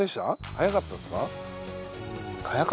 早かったですか？